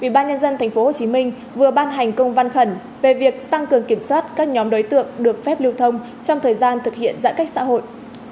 ủy ban nhân dân tp hcm vừa ban hành công văn khẩn về việc tăng cường kiểm soát các nhóm đối tượng được phép lưu thông trong thời gian thực hiện giãn cách xã hội